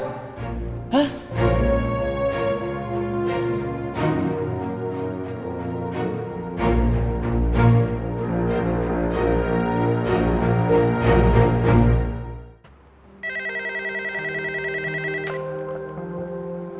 sampai jumpa lagi